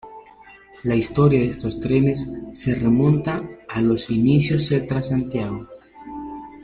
La historia de estos trenes se remonta a los inicios del Transantiago.